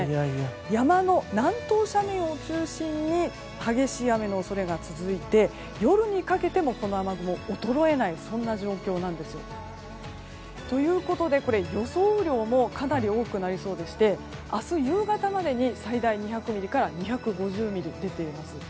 山の南東斜面を中心に激しい雨の恐れが続いて夜にかけてもこの雨雲衰えない状況なんです。ということで、予想雨量もかなり多くなりそうでして明日夕方までに最大２００ミリから２５０ミリと出ています。